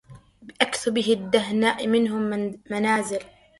بأكثبة الدهناء منهم منازل